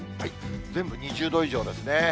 全部２０度以上ですね。